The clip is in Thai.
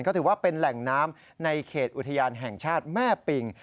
ก็ถือว่าเป็นแหล่งน้ำในเขตอุทยานแห่งชาติแม่ปิง